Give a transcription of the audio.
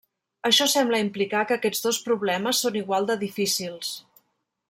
Això sembla implicar que aquests dos problemes són igual de difícils.